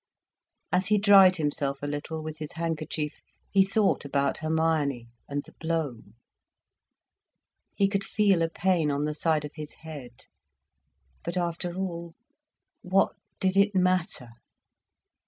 As he dried himself a little with his handkerchief, he thought about Hermione and the blow. He could feel a pain on the side of his head. But after all, what did it matter?